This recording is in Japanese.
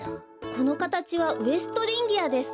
このかたちはウエストリンギアです。